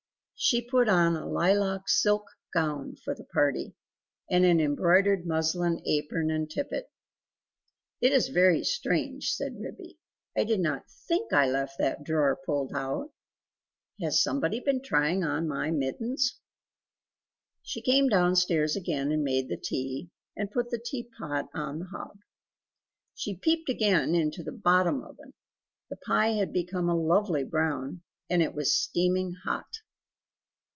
She put on a lilac silk gown, for the party, and an embroidered muslin apron and tippet. "It is very strange," said Ribby, "I did not THINK I left that drawer pulled out; has somebody been trying on my mittens?" She came downstairs again, and made the tea, and put the teapot on the hob. She peeped again into the BOTTOM oven, the pie had become a lovely brown, and it was steaming hot.